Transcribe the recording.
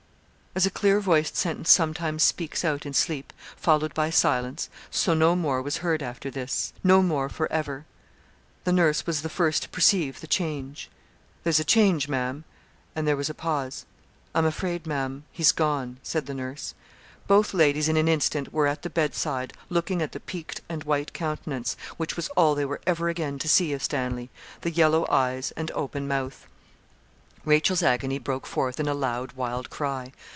As a clear voiced sentence sometimes speaks out in sleep, followed by silence, so no more was heard after this no more for ever. The nurse was the first to perceive 'the change.' 'There's a change, Ma'am' and there was a pause. 'I'm afraid, Ma'am, he's gone,' said the nurse. Both ladies, in an instant, were at the bedside, looking at the peaked and white countenance, which was all they were ever again to see of Stanley; the yellow eyes and open mouth. Rachel's agony broke forth in a loud, wild cry.